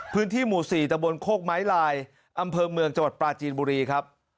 พื้นที่หมู่๔ตะบนโคกไม้ลายอำเภอเมืองจังหวัดปลาจีนบุรีครับ